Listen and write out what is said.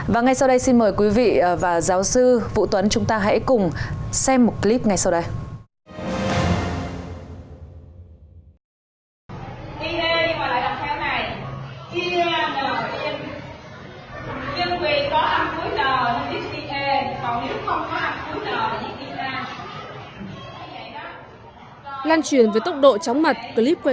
và ngay sau đây xin mời quý vị và giáo sư vũ tuấn chúng ta hãy cùng xem một clip ngay sau đây